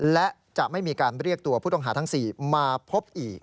และจะไม่มีการเรียกตัวผู้ต้องหาทั้ง๔มาพบอีก